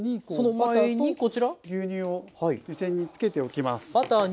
バターと牛乳を湯煎につけておきます。